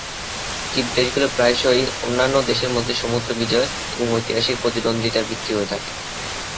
দ্বীপ দেশগুলি প্রায়শই অন্যান্য দেশের মধ্যে সমুদ্র বিজয় এবং ঐতিহাসিক প্রতিদ্বন্দ্বিতার ভিত্তি হয়ে থাকে।